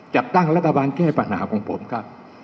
จัดตั้งรัฐบาลแก้ปัญหาของผมครับ